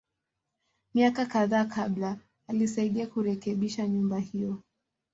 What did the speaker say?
Miaka kadhaa kabla, alisaidia kurekebisha nyumba hiyo.